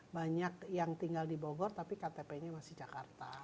banyak yang tinggal di bogor tapi ktp nya masih jakarta